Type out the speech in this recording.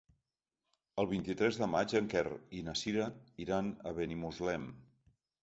El vint-i-tres de maig en Quer i na Sira iran a Benimuslem.